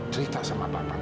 cerita sama bapak